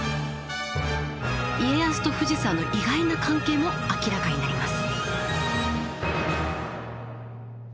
家康と富士山の意外な関係も明らかになります。